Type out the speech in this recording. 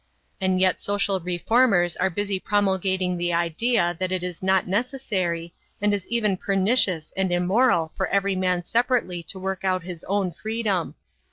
And yet social reformers are busy promulgating the idea that it is not necessary and is even pernicious and immoral for every man separately to work out his own freedom.